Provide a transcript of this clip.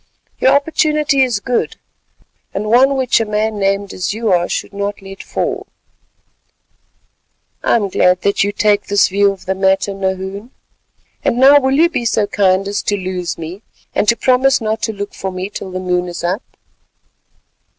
Your opportunity is good, and one which a man named as you are should not let fall." "I am glad to find that you take this view of the matter, Nahoon. And now will you be so kind as to lose me, and to promise not to look for me till the moon is up?"